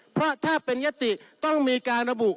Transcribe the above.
เพราะถ้าเป็นยติต้องมีการระบุ